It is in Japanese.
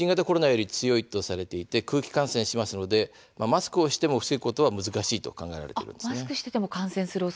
新型コロナより強いとされて空気感染しますのでマスクをしても防ぐことは難しいと考えられます。